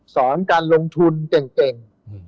การลงทุนเก่ง